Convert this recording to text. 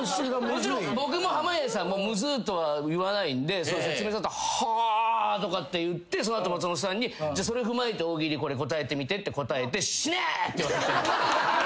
もちろん僕も濱家さんも「むずっ」とは言わないんで説明されたら「は」とか言ってその後松本さんに「じゃそれ踏まえて大喜利これ答えてみて」答えて「死ね！」って言われて。